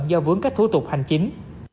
do vướng các thủ tục hành chính